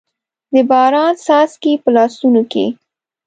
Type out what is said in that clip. د باران څاڅکي، په لاسونو کې